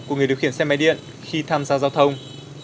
của người điều khiển xe máy điện khi tham gia giao thông